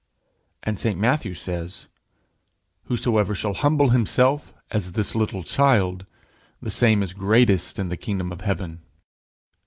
And St Matthew says: "Whosoever shall humble himself as this little child, the same is greatest in the kingdom of heaven."